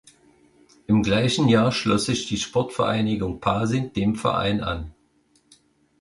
Im gleichen Jahr schloss sich die "Sportvereinigung Pasing" dem Verein an.